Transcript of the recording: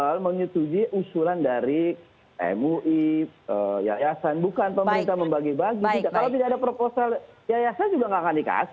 kalau menyetujui usulan dari mui yayasan bukan pemerintah membagi bagi kalau tidak ada proposal yayasan juga nggak akan dikasih